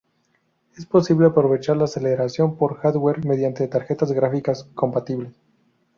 Es posible aprovechar la aceleración por hardware mediante tarjetas gráficas compatibles.